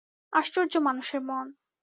আশ্চর্য মানুষের মন।